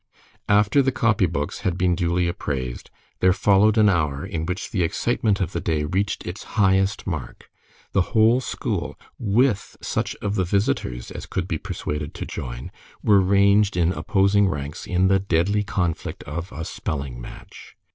After the copy books had been duly appraised, there followed an hour in which the excitement of the day reached its highest mark. The whole school, with such of the visitors as could be persuaded to join, were ranged in opposing ranks in the deadly conflict of a spelling match.